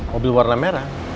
mobil warna merah